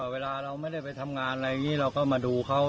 เวลาเราไม่ได้ไปทำงานอะไรอย่างนี้เราก็มาดูเขา